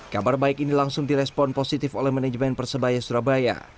kabar baik ini langsung direspon positif oleh manajemen persebaya surabaya